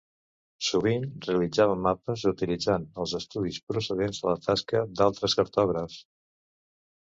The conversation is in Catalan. Sovint realitzava mapes utilitzant els estudis procedents de la tasca d'altres cartògrafs.